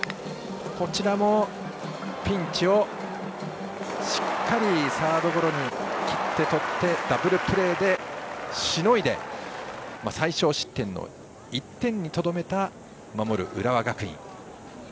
こちらもピンチをしっかりサードゴロに切って取ってダブルプレーでしのいで最少失点の１点にとどめた守る浦和学院。